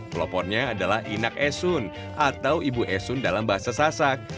pelopornya adalah inak esun atau ibu esun dalam bahasa sasak